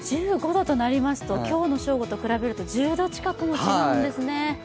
１５度なりますと、今日の正午と比べますと１０度近く違うんですね。